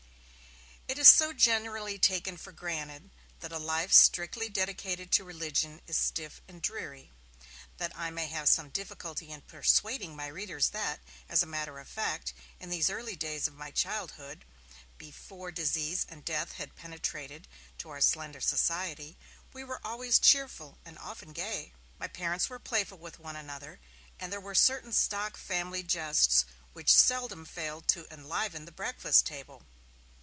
It is so generally taken for granted that a life strictly dedicated to religion is stiff and dreary, that I may have some difficulty in persuading my readers that, as a matter of fact, in these early days of my childhood, before disease and death had penetrated to our slender society, we were always cheerful and often gay. My parents were playful with one another, and there were certain stock family jests which seldom failed to enliven the breakfast table.